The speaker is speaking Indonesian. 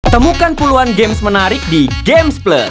temukan puluhan games menarik di gamesplus